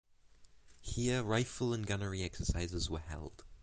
Here rifle and gunnery exercises were held.